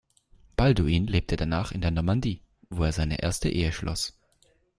Balduin lebte danach in der Normandie, wo er seine erste Ehe schloss.